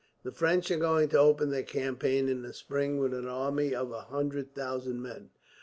"The French are going to open the campaign, in the spring, with an army of a hundred thousand men.